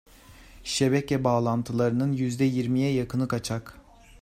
Şebeke bağlantılarının 'ye yakını kaçak.